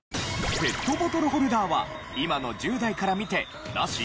ペットボトルホルダーは今の１０代から見てナシ？